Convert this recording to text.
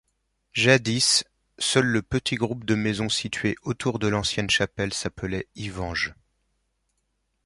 Jadis, seul le petit groupe de maisons situé autour de l'ancienne chapelle s'appelait Hivange.